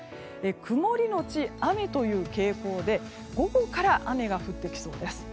曇りのち雨という傾向で午後から雨が降ってきそうです。